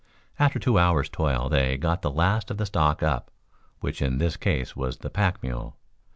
After two hours' toil they got the last of the stock up, which in this case was the pack mule.